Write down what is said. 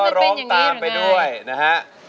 ร้องตามไปด้วยนะฮะ